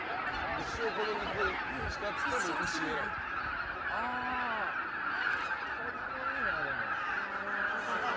一生この肉しかっていったらまあ鶏もいいな。